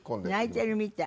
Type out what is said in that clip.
泣いてるみたい。